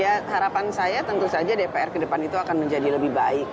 ya harapan saya tentu saja dpr kedepan itu akan menjadi lebih baik